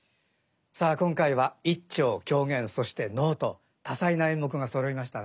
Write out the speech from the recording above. さあ今回は一調狂言そして能と多彩な演目がそろいましたね。